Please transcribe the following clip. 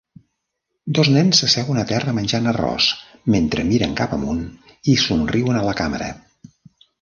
Dos nens s'asseuen a terra menjant arròs mentre miren cap amunt i somriuen a la càmera.